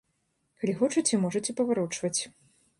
Калі хочаце, можаце паварочваць.